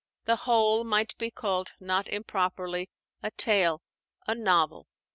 The whole might be called, not improperly, a tale, a novel.